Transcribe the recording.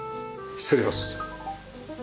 失礼します。